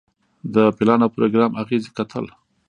د پلان او پروګرام اغیزې کتل.